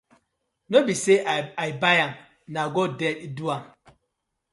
No bie say I bai am na god ded.